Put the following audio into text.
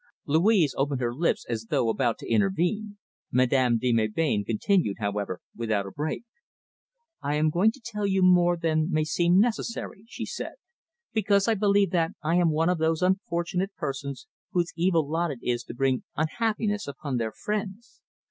Louise opened her lips as though about to intervene. Madame de Melbain continued, however, without a break. "I am going to tell you more than may seem necessary," she said, "because I believe that I am one of those unfortunate persons whose evil lot it is to bring unhappiness upon their friends.